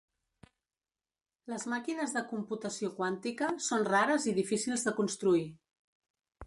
Les màquines de computació quàntica són rares i difícils de construir.